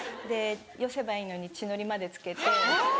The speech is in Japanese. でよせばいいのに血のりまで付けて。